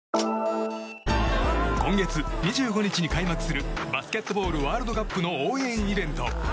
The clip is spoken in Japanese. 今月２５日に開幕するバスケットボールワールドカップの応援イベント。